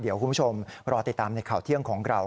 เดี๋ยวคุณผู้ชมรอติดตามในข่าวเที่ยงของเรา